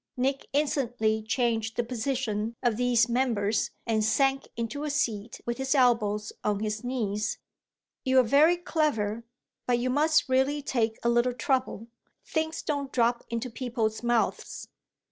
Nick instantly changed the position of these members and sank into a seat with his elbows on his knees. "You're very clever, but you must really take a little trouble. Things don't drop into people's mouths."